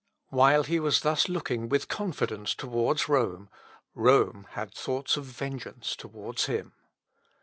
While he was thus looking with confidence towards Rome, Rome had thoughts of vengeance towards him.